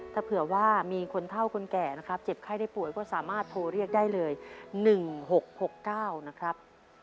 ถ้าเผื่อว่ามีคนเท่าคนแก่นะครับเจ็บไข้ได้ป่วยก็สามารถโทรเรียกได้เลย๑๖๖๙นะครับ